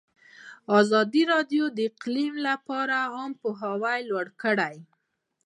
ازادي راډیو د اقلیم لپاره عامه پوهاوي لوړ کړی.